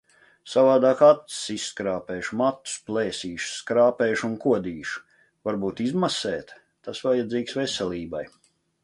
Savādāk acis izskrāpēšu, matus plēsīšu, skrāpēšu un kodīšu. Varbūt izmasēt? Tas vajadzīgs veselībai.